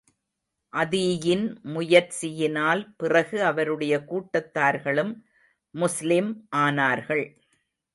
அதீயின் முயற்சியினால் பிறகு அவருடைய கூட்டத்தார்களும் முஸ்லிம் ஆனார்கள்.